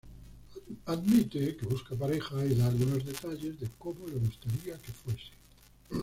Admite que busca pareja y da algunos detalles de cómo le gustaría que fuese.